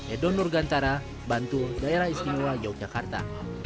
edo nurgantara bantu daerah istimewa yogyakarta